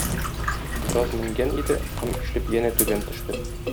Бераз менгән иде, ком ишелеп янә түбән төште.